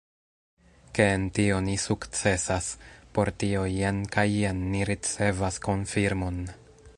Ke en tio ni sukcesas, por tio jen kaj jen ni ricevas konfirmon.